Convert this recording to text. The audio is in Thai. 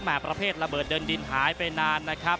ประเภทระเบิดเดินดินหายไปนานนะครับ